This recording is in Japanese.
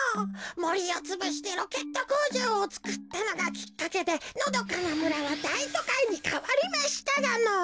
もりをつぶしてロケットこうじょうをつくったのがきっかけでのどかなむらはだいとかいにかわりましたがのぉ。